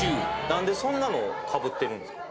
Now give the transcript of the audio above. なんでそんなのかぶってるんですか？